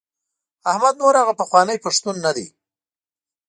احمد نور هغه پخوانی پښتون نه دی.